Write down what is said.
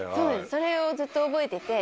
それをずっと覚えてて。